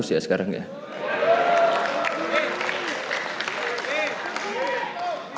sekali lagi saya enggak di update soal ini